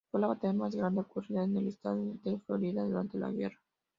Fue la batalla más grande ocurrida en el estado de Florida durante la guerra.